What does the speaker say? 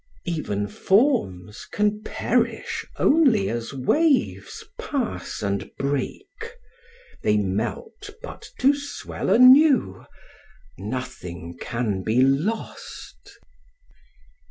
Even forms can perish only as waves pass and break : they melt but to swell anew, — nothing can be lost.